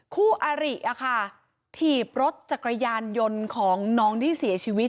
คู่อาริถีบรถจักรยานยนต์ของน้องที่เสียชีวิต